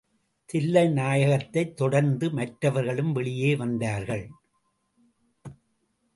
தில்லைநாயகத்தைத் தொடர்ந்து மற்றவர்களும் வெளியே வந்தார்கள்.